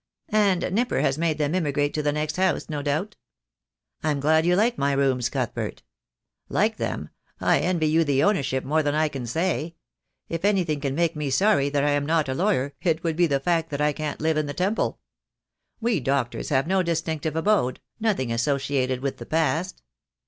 "And Nipper has made them emigrate to the next house, no doubt?" "I'm glad you like my rooms, Cuthbert." "Like them! I envy you the ownership more than I can say. If anything can make me sorry that I am not a lawyer it would be the fact that I can't live in the Temple. We doctors have no distinctive abode, nothing associated with the past."